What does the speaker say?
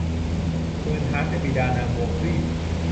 หมื่นหาญเป็นบิดานางบัวคลี่